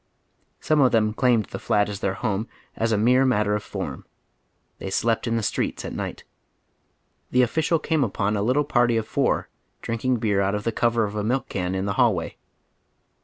Some of them claimed the "flat "as their home as a mere matter of form. They slept in the streets at night. The official came upon a little party of four drinking beer out of the cover of a milk can in the hallway.